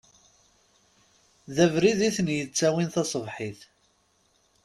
D abrid i ten-yettawin tasebḥit.